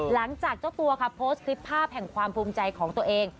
หลังจากเจ้าตัวโพสต์คลิปภาพแห่งความภูมิใจของตัวเอง